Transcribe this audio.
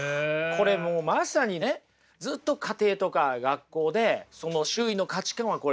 これもうまさにねずっと家庭とか学校で周囲の価値観はこれだと。